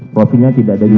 profilnya tidak ada juga